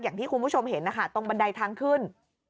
อย่างที่คุณผู้ชมเห็นนะคะตรงบันไดทางขึ้น